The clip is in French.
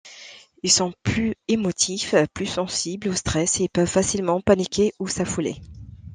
Ils sont plus émotifs, plus sensibles au stress, et peuvent facilement paniquer ou s'affoler.